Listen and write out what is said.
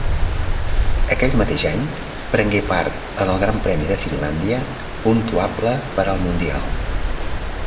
Aquell mateix any prengué part en el Gran Premi de Finlàndia puntuable per al Mundial.